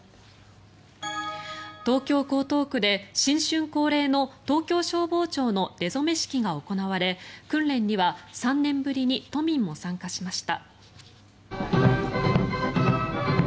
東京・江東区で新春恒例の東京消防庁の出初め式が行われ訓練には３年ぶりに都民も参加しました。